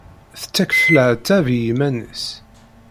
Tettakf leɛtab i yiman-nnes.